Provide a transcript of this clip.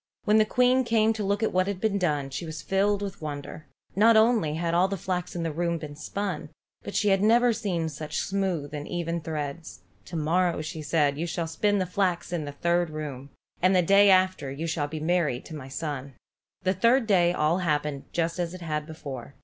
When the Queen came to look at what had been done, she was filled with wonder. Not only had all the flax in the room been spun, but she had never seen such smooth and even threads. "To morrow," said she, "you shall spin the flax that is in the third room, and the day after you shall be married to my son." The third day all happened just as it had before.